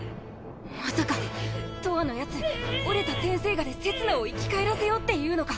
まさかとわのやつ折れた天生牙でせつなを生き返らせようっていうのか！？